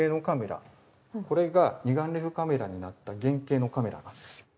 これが二眼レフカメラになった原型のカメラなんですよ。